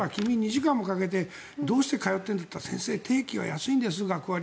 君、２時間もかけてどうして通っているのって言ったら先生、定期は学割で安いんです